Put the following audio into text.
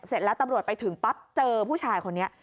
เสร็จแล้วตำรวจไปถึงปั๊บเจอผู้ชายคนนี้